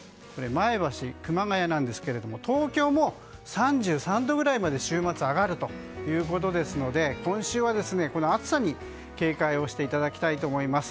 前橋、熊谷なんですが東京も３３度ぐらいまで週末上がるということですので今週は、この暑さに警戒していただきたいと思います。